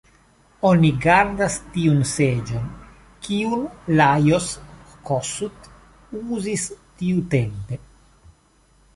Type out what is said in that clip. Oni gardas tiun seĝon, kiun Lajos Kossuth uzis tiutempe.